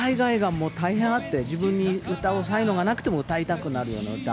もう、大変あって、自分に歌の才能がなくても歌いたくなるような歌。